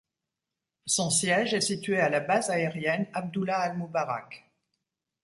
Son siège est situé à la base aérienne Abdullah Al-Moubarak.